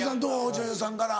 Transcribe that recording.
女優さんから。